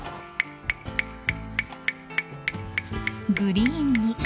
［グリーンに］